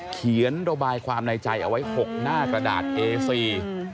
เขียนระบายความในใจเอาไว้หกหน้ากระดาษเอซี